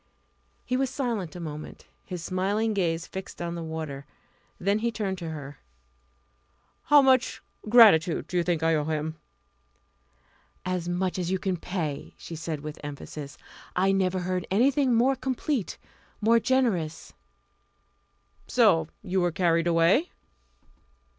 He was silent a moment, his smiling gaze fixed on the water. Then he turned to her. "How much gratitude do you think I owe him?" "As much as you can pay," she said with emphasis. "I never heard anything more complete, more generous." "So you were carried away?"